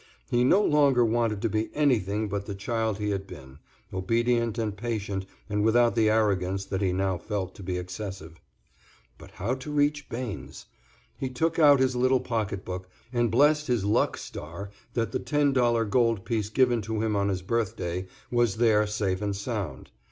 He no longer wanted to be anything but the child he had been, obedient and patient and without the arrogance that he now felt to be excessive. But how to reach Bains? He took out his little pocketbook and blessed his luck star that the ten dollar gold piece given to him on his birthday was there safe and sound.